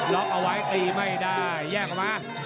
ล็อกเอาไว้ตีไม่ได้แยกออกมา